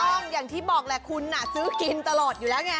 ถูกต้องอย่างที่บอกแหละคุณซื้อกินตลอดอยู่แล้วไง